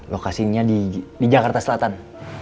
lokasinya di jakarta selatan